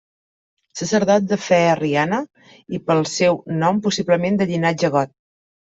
Sacerdot de fe arriana, i pel seu nom possiblement de llinatge got.